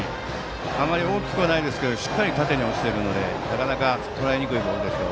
あまり大きくはないですけどしっかりと縦に落ちてるのでなかなかとらえにくいボールですよ。